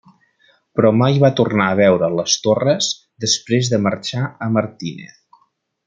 Però mai va tornar a veure les torres després de marxar a Martínez.